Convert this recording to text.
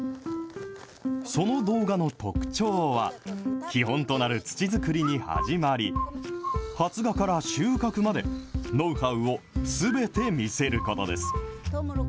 その動画の特徴は、基本となる土作りに始まり、発芽から収穫まで、ノウハウをすべて見せることです。